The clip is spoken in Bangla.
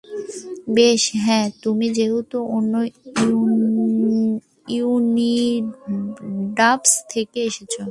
বেশ, হ্যাঁ, তুমি যেহেতু অন্য ইউনিভার্স থেকে এসেছো।